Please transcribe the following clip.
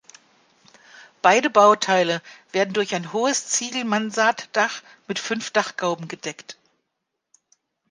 Beide Bauteile werden durch ein hohes Ziegel-Mansarddach mit fünf Dachgauben gedeckt.